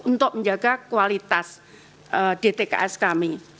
untuk menjaga kualitas dtks kami